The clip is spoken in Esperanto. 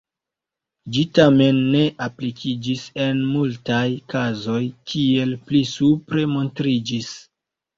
Ĝi tamen ne aplikiĝis en multaj kazoj, kiel pli supre montriĝis.